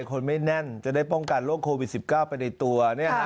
คนไม่แน่นจะได้ป้องกันโรคโควิด๑๙ไปในตัว